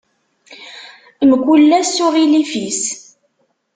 Mkul ass s uɣilif-is.